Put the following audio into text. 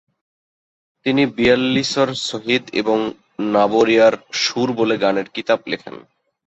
তিনি "বিয়াল্লিছর ছহীদ" এবং "নাবরীয়ার সুর" বলে গানের কিতাপ লেখেন।